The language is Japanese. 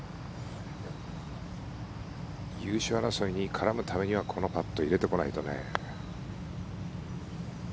優勝争いに絡むためにはこのパットを入れてこないとね。